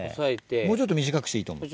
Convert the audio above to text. もうちょっと短くしていいと思う。